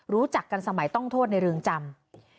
รู้จักกันสมัยต้องโทษในเรือนจำ